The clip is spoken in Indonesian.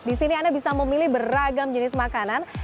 di sini anda bisa memilih beragam jenis makanan